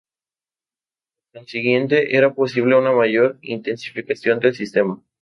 Por consiguiente, era posible una mayor intensificación del sistema.